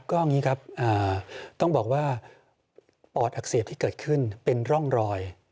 ก็อย่างนี้ครับต้องบอกว่าปอดอักเสบที่เกิดขึ้นเป็นร่องรอย